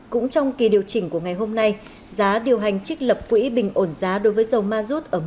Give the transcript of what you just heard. cũng trong kỳ điều chỉnh của ngày hôm nay giá điều hành trích lập quỹ bình ổn giá đối với dầu mazut ở mức là ba trăm linh đồng một kg